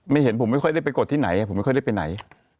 เห็นผมไม่ค่อยได้ไปกดที่ไหนผมไม่ค่อยได้ไปไหน